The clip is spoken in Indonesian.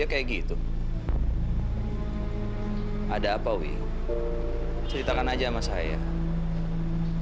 aku nampain sama apa aku nampain sama apa aku nampain sama apa aku nampain sama apa aku nampain sama apa dari kamu